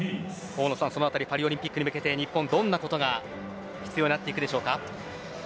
パリオリンピックに向けて日本はどんなことが必要になってくるでしょうか。